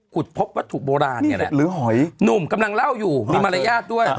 พบวัตถุโบราณนี่แหละหรือหอยหนุ่มกำลังเล่าอยู่มีมารยาทด้วย